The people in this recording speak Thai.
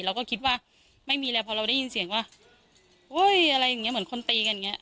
เราก็คิดว่าไม่มีแล้วพอเราได้ยินเสียงว่าโอ้ยอะไรอย่างเงี้เหมือนคนตีกันอย่างเงี้